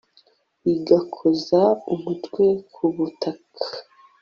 igakoza umutwe ku butaka